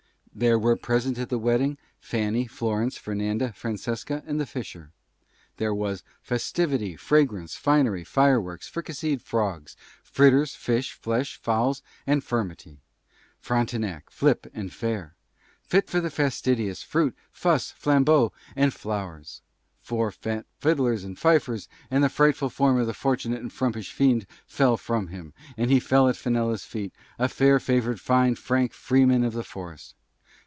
There were present at the wedding, Fanny, Florence, Fernanda, Francesca, and the Fisher; there was Festivity, Fragrance, Finery, Fireworks, Fricaseed Frogs, Fritters, Fish, Flesh, Fowls, and Furmity, Frontinac, Flip, and Fare, Fit For the Fastidious, Fruit, Fuss, Flambeaux, and Flowers, Four Fat Fiddlers and Fifers, and the Frightful Form of the Fortunate and Frumpish Fiend Fell From him, and he Fell at Fenella's Feet, a Fair Favoured, Fine, Frank Freeman of the Forest.